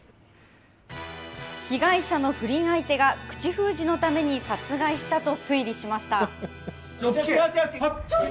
被害者の不倫相手が口封じのために殺害したと推理しました。